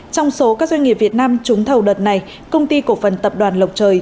trong số các doanh nghiệp việt nam trúng thầu đợt này công ty cổ phần tập đoàn lộc trời